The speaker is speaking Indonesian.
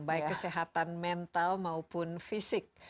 baik kesehatan mental maupun fisik